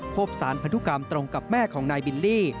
พบสารพันธุกรรมตรงกับแม่ของนายบิลลี่